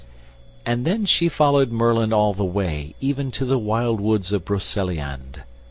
And then she followed Merlin all the way, Even to the wild woods of Broceliande.